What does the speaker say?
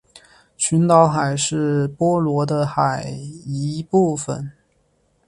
群岛海是波罗的海的一部份。